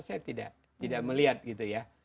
saya tidak melihat gitu ya